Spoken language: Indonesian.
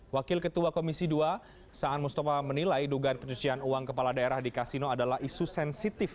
wakil ketua komisi dua saan mustafa menilai dugaan pencucian uang kepala daerah di kasino adalah isu sensitif